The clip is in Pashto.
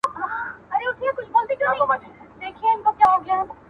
د يوسف عليه السلام سره به خپله کورنۍ په عزت يو ځای کيږي.